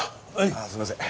ああすいません。